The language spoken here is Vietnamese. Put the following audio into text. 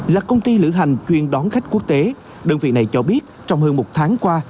là công ty lữ hành chuyên đón khách quốc tế đơn vị này cho biết trong hơn một tháng qua